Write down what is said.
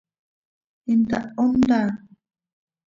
¿Intaho ntá?